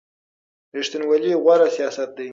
ریښتینولي غوره سیاست دی.